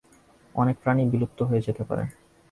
অনেক প্রাণীই বিলুপ্ত হয়ে যেতে পারে।